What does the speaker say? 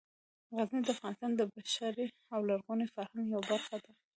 غزني د افغانستان د بشري او لرغوني فرهنګ یوه برخه ده.